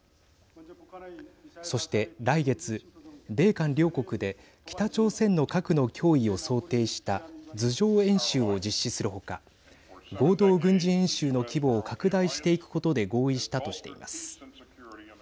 そして来月、米韓両国で北朝鮮の核の脅威を想定した図上演習を実施する他合同軍事演習の規模を拡大していくことで合意したとしています。